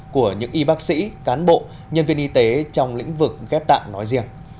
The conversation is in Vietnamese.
của những y bác sĩ cán bộ nhân viên y tế trong lĩnh vực ghép tạng nói riêng